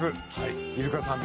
イルカさんの。